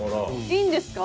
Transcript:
いいんですか？